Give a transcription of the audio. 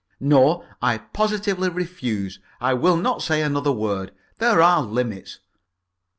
No, I positively refuse. I will not say another word. There are limits.